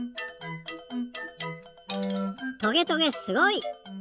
トゲトゲすごい！